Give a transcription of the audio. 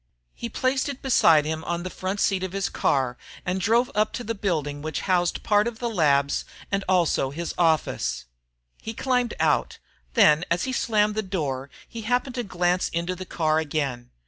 He placed it beside him on the front seat of his car and drove up to the building which housed part of the labs and also his office. He climbed out, then as he slammed the door he happened to glance into the car again.